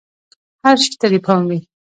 هر شي ته دې پام وي!